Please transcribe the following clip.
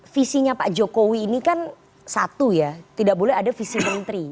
visinya pak jokowi ini kan satu ya tidak boleh ada visi menteri